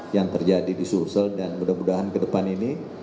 yang terjadi di sulsel dan mudah mudahan ke depan ini